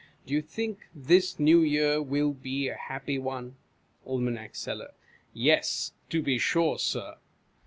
Do you think this New Year will be a happy one ? Aim. Seller. Yes, to be sure, Sir.